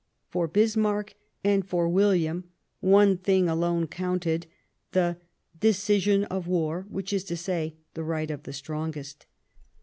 For Bismarck and for William one thing alone counted — the " decision of war "; that is to say, the right of the strongest.